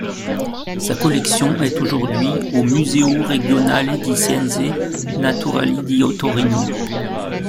Sa collection est aujourd’hui au Museo Regionale di Scienze Naturali di Torino.